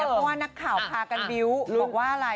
เพราะว่านักข่าวพากันบิ้วบอกว่าอะไร